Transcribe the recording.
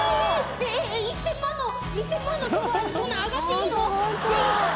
えっえっ１０００万の１０００万のソファーにそんな上がっていいの？